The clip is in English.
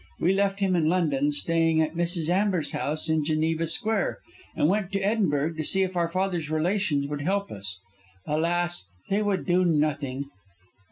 We left him in London staying at Mrs. Amber's house in Geneva Square, and went to Edinburgh to see if our father's relations would help us. Alas! they would do nothing."